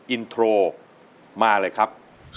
อินโทรมาเลยครับ